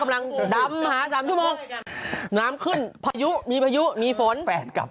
กำลังดำหาสามชั่วโมงน้ำขึ้นพายุมีพายุมีฝนแฝดกลับ